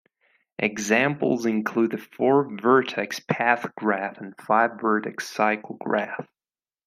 Examples include the four-vertex path graph and five-vertex cycle graph.